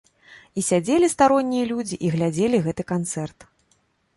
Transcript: І сядзелі староннія людзі і глядзелі гэты канцэрт.